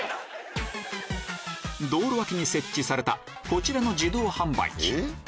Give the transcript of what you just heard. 道路脇に設置されたこちらの自動販売機